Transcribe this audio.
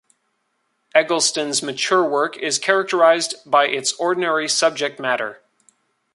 Eggleston's mature work is characterized by its ordinary subject-matter.